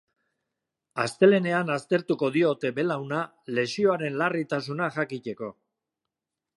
Astelehenean aztertuko diote belauna lesioaren larritasuna jakiteko.